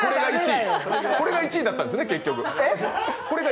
これが１位だったんですね結局。